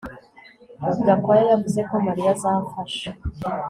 Gakwaya yavuze ko Mariya azamfasha